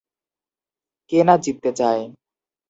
কে না জিততে চায়?